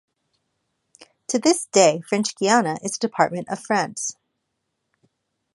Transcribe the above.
To this day, French Guiana is a department of France.